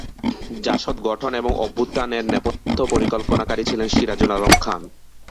জাসদ গঠন এবং ‘অভ্যুত্থান’ এর নেপথ্য পরিকল্পনাকারী ছিলেন সিরাজুল আলম খান।